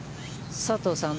佐藤さん、